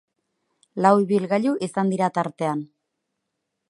Lau ibilgailu izan dira tartean.